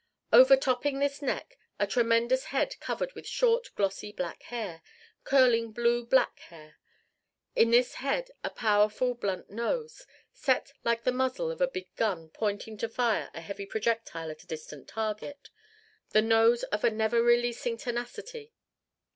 Overtopping this neck a tremendous head covered with short glossy black hair, curling blue black hair. In this head a powerful blunt nose, set like the muzzle of a big gun pointed to fire a heavy projectile at a distant target the nose of a never releasing tenacity.